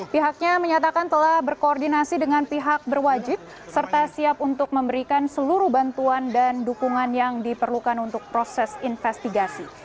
pihaknya menyatakan telah berkoordinasi dengan pihak berwajib serta siap untuk memberikan seluruh bantuan dan dukungan yang diperlukan untuk proses investigasi